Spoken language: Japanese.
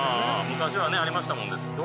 昔はねありましたもんね